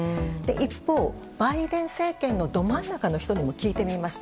一方、バイデン政権のど真ん中の人にも聞いてみました。